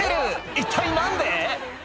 一体何で？